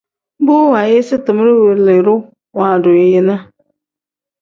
Bu waayisi timere wilidu waadu yi ne.